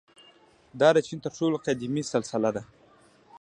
• دا د چین تر ټولو قدیمي سلسله ده.